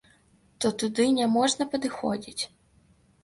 То туды няможна падыходзіць.